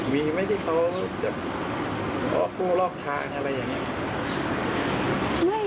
มีไหมที่เขาจะต่อสู้รอบทางอะไรอย่างนี้